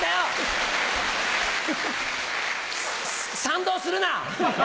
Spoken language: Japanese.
賛同するな！